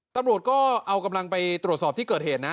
ตำรวจก็เอากำลังไปตรวจสอบที่เกิดเหตุนะ